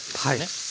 はい。